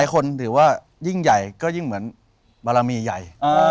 คนถือว่ายิ่งใหญ่ก็ยิ่งเหมือนบารมีใหญ่